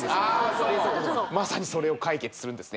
そうそうそうまさにそれを解決するんですね